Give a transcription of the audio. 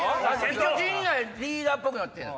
陣内リーダーっぽくなってんの？